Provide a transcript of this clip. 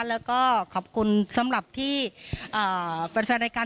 แล้วก็ขอบคุณสำหรับที่แฟนรายการ